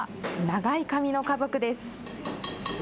長い髪の家族です。